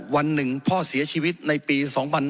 วันหนึ่งพ่อเสียชีวิตในปี๒๕๕๙